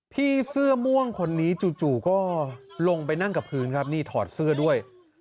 พี่เสื้อม่วงคนนี้จู่ก็ลงไปนั่งกับพื้นครับนี่ถอดเสื้อด้วย